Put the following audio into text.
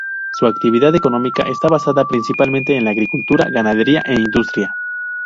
Su actividad económica está basada principalmente en la agricultura, ganadería e industria.